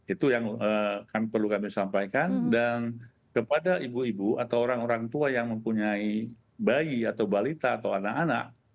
itu yang perlu kami sampaikan dan kepada ibu ibu atau orang orang tua yang mempunyai bayi atau balita atau anak anak